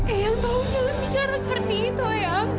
ayah tolong jangan bicara seperti itu ayah